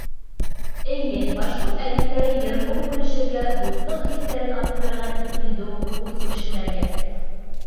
Эйе, башҡорт әҙиптәре йыр-моң бүлешергә, дуҫлыҡ хистәрен арттырырға тип килде ут күршеләргә.